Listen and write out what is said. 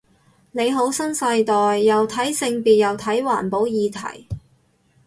你好新世代，又睇性別又睇環保議題